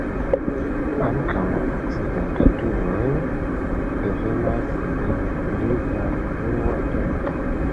Ankaŭ la okcidentaj turoj devenas el pli malfrua tempo.